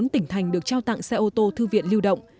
bốn tỉnh thành được trao tặng xe ô tô thư viện lưu động